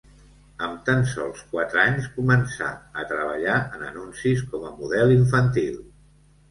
Amb tan sols quatre anys començà a treballar en anuncis com a model infantil.